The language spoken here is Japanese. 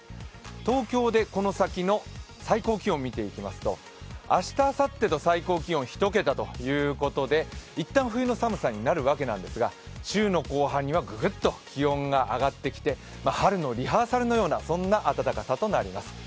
東京でこの先の最高気温見ていきますと、明日、あさってと最高気温１桁ということで一旦冬の寒さになるわけなんですが週の後半には、ぐぐっと気温が上がってきて春のリハーサルのような暖かさになります。